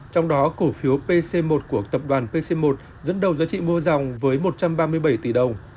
trong đó cổ phiếu pc một của tập đoàn pc một dẫn đầu giá trị mua dòng với một trăm ba mươi bảy tỷ đồng